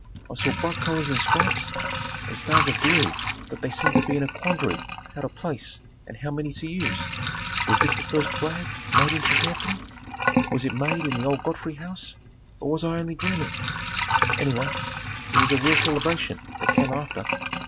I saw bright colors in stripes, and stars of blue that they seemed to be in a quandary how to place and how many to use. Was this the first flag made in St. Anthony? Was it made in the old Godfrey House, or was I only dreaming? Anyway, it was a real celebration that came after.